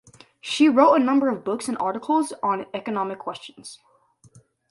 She wrote a number of books and articles on economic questions.